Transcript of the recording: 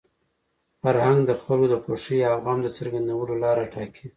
فرهنګ د خلکو د خوښۍ او غم د څرګندولو لاره ټاکي.